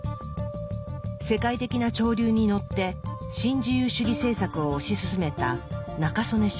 世界的な潮流に乗って新自由主義政策を推し進めた中曽根首相。